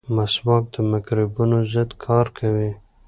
مسواک د مکروبونو ضد کار کوي.